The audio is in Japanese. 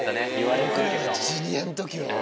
僕らがジュニアのときは。